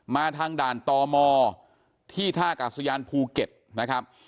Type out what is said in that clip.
มาทางด่านตมที่ท่ากาศยานภูเก็ตนะครับ